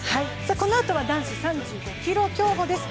このあとは男子３５ｋｍ競歩です。